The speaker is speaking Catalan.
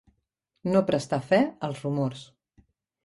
No prestar fe als rumors.